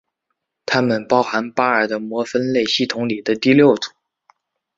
它们包含巴尔的摩分类系统里的第六组。